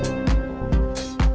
jalan atau pake motor